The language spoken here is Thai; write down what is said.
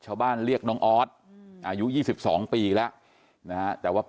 ชาวบ้านเรียกน้องออสอายุยี่สิบสองปีแล้วนะฮะแต่ว่า